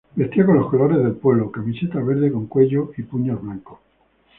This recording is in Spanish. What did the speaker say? Vestía con los colores del pueblo: camiseta verde con cuello y puños blancos.